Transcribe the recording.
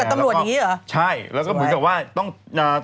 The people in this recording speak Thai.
ตำรวจอย่างงี้เหรอใช่แล้วก็เหมือนกับว่าต้องอ่า